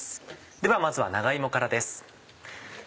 ではまずは長芋からです。